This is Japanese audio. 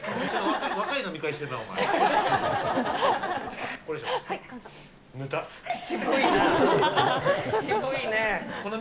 若い飲み会してるな、お前。